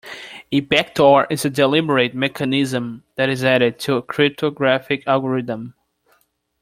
A backdoor is a deliberate mechanism that is added to a cryptographic algorithm.